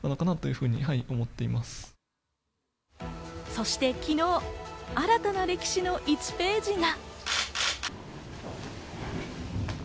そして昨日、新たな歴史の１ページが。